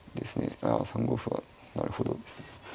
いや３五歩はなるほどですね。